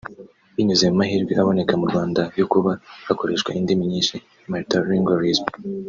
Binyuze mu mahirwe aboneka mu Rwanda yo kuba hakoreshwa indimi nyinshi (multi-lingualism)